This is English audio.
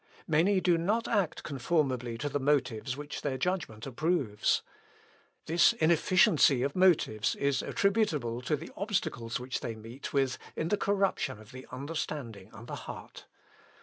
Many do not act conformably to the motives which their judgment approves. This inefficiency of motives is attributable to the obstacles which they meet with in the corruption of the understanding and the heart.